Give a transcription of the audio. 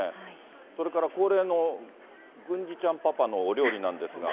それから恒例の郡司ちゃんパパのお料理なんですが。